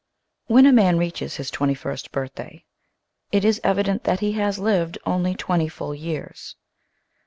When a man reaches his twenty first birthday it is evident that he has lived only twenty full y&ars.